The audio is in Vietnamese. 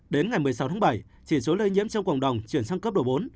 đến ngày một mươi sáu tháng bảy chỉ số lây nhiễm trong cộng đồng chuyển sang cấp độ bốn